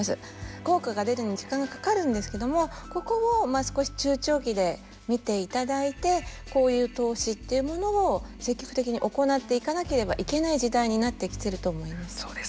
効果が出るのに時間がかかるんですけどもここを少し中長期で見ていただいてこういう投資というものを積極的に行っていかなければいけない時代になってきてると思います。